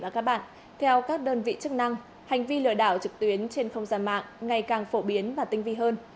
thưa các bạn theo các đơn vị chức năng hành vi lừa đảo trực tuyến trên không gian mạng ngày càng phổ biến và tinh vi hơn